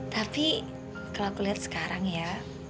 tapi kalau aku lihat sekarang ya